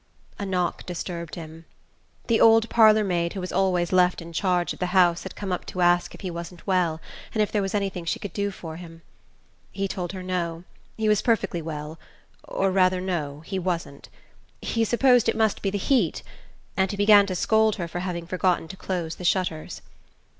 A knock disturbed him. The old parlour maid who was always left in charge of the house had come up to ask if he wasn't well, and if there was anything she could do for him. He told her no ... he was perfectly well ... or, rather, no, he wasn't ... he supposed it must be the heat; and he began to scold her for having forgotten to close the shutters.